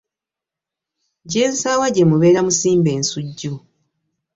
Jensaawa jemubeera musimba ensujju .